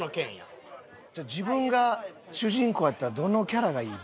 自分が主人公やったらどのキャラがいい？